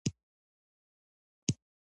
مترا سینګه له روسيې له ویسرا سره وکتل.